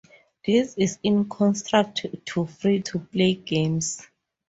This is in contrast to free-to-play games.